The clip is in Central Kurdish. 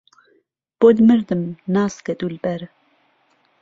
بۆت مردم ناسکە دولبەر